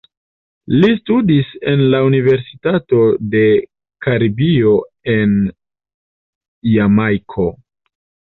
Li studis en la Universitato de Karibio en Jamajko.